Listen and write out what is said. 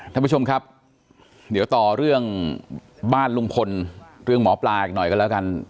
ท่านผู้ชมครับเดี๋ยวต่อเรื่องบ้านลุงพลเรื่องหมอปลาอีกหน่อยกันแล้วกัน